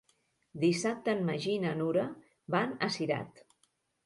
Dissabte en Magí i na Nura van a Cirat.